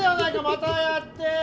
またやって。